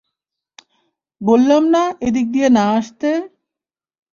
বললাম না এদিক দিয়ে না আসতে?